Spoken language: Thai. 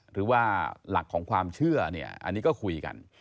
หรือว่าหลักของความเชื่อเนี่ยอันนี้ก็คุยกัน